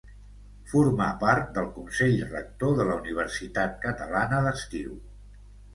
Formà part del Consell rector de la Universitat Catalana d'Estiu.